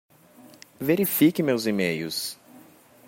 Verifique meus emails.